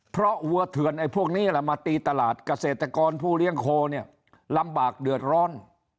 เพราะวัวเถื่อนไอ้พวกนี้มาตีตลาดเกษตรกรผู้เลี้ยงโคเนี่ยลำบากเดือดร้อน